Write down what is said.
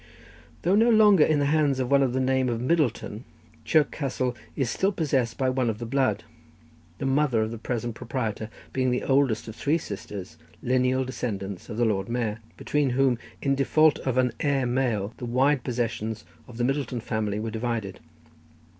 Though no longer in the hands of one of the name of Middleton, Chirk Castle is still possessed by one of the blood, the mother of the present proprietor being the eldest of three sisters, lineal descendants of the Lord Mayor, between whom, in default of an heir male, the wide possessions of the Middleton family were divided.